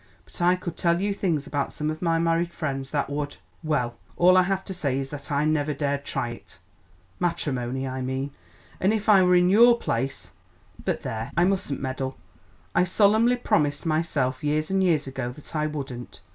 But I could tell you things about some of my married friends that would Well, all I have to say is that I never dared try it matrimony, I mean and if I were in your place But there! I mustn't meddle. I solemnly promised myself years and years ago that I wouldn't.